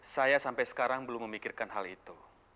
saya sampai sekarang belum memikirkan hal itu